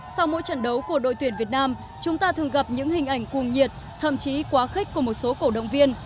sau mỗi trận đấu của đội tuyển việt nam chúng ta thường gặp những hình ảnh cuồng nhiệt thậm chí quá khích của một số cổ động viên